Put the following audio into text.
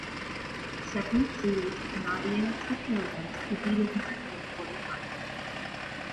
Second seed Nadia Petrova defeated her in the Quarterfinals.